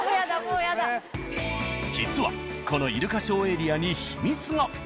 実はこのイルカショーエリアに秘密が。